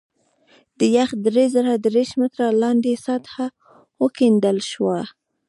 د یخ درې زره دېرش متره لاندې سطحه وکیندل شوه